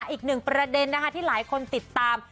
อีกหนึ่งประเด็นนะคะที่หลายคนติดตาม